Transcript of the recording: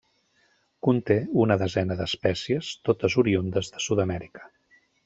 Conté una desena d'espècies, totes oriündes de Sud-amèrica.